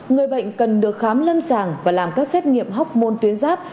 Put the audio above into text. người bệnh cần được khám lâm sàng và làm các xét nghiệm hốc môn tuyên giáp